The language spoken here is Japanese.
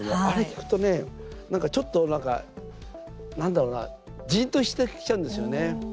あれ聴くとね、なんかちょっとなんだろうなじーんとしてきちゃうんですよね。